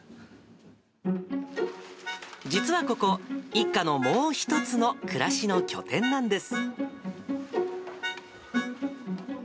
実はここ、一家のもう一つの暮らしの拠点なんです。